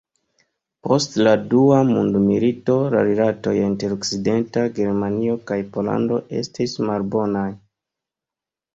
Post la dua mondmilito la rilatoj inter Okcidenta Germanio kaj Pollando estis malbonaj.